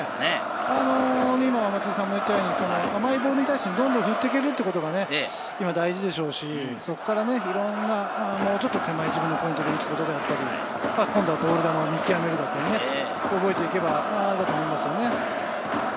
今、松井さんが言ったように甘いボールに対してどんどん振っていけるということが大事でしょうし、そこからもうちょっと手前、自分のポイントで打つこと、今度はボール球を見極めることを覚えていけばいいと思います。